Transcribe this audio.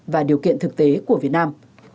và điều kiện thực tế của việt nam